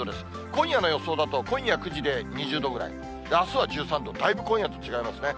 今夜の予想だと、今夜９時で２０度ぐらい、あすは１３度、だいぶ今夜と違いますね。